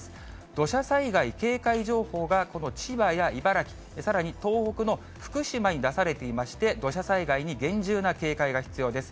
土砂災害警戒情報がこの千葉や茨城、さらに東北の福島に出されていまして、土砂災害に厳重な警戒が必要です。